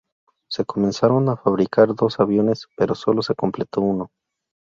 Se comenzaron a fabricar dos aviones, pero sólo se completó uno.